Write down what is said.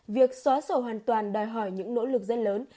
việc xóa sổ hoàn toàn đòi hỏi những nỗ lực rất lớn